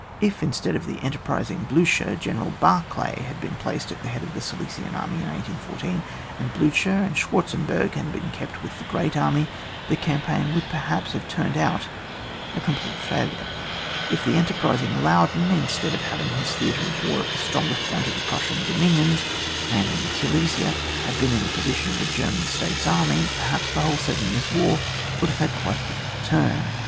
If, instead of the enterprising Bliidier, General Barclay had been placed at the head of the 8ilesian army in 1814, and Bliicher and Schwartzenberg had been kept with the grand army, the campaign would perhaps have turned out a complete failure. If the enterprising Laudon, instead of having his theatre of war at the strongest point of the Prussian domin ions, namely, in Silesia, had been in the position of the German States' army, perhaps the whole Seven Years' War would have had quite a different turn.